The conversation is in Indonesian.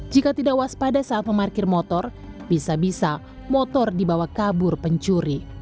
jika tidak waspada saat memarkir motor bisa bisa motor dibawa kabur pencuri